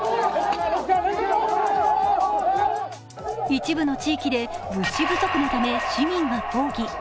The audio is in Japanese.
一部の地域で物資不足のため市民は抗議。